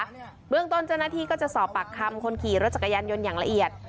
เบื้องต้นเจ้าหน้าที่ก็จะสอบปากคำคนขี่รถจักรยานยนต์อย่างละเอียด